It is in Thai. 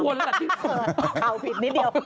ตัวนี้ควรละข่าวผิดนิดเดียว